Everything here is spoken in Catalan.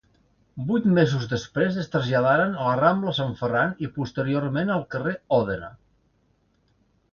Vuit mesos després es traslladaren a la Rambla Sant Ferran i posteriorment al carrer Òdena.